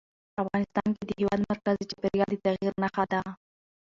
افغانستان کې د هېواد مرکز د چاپېریال د تغیر نښه ده.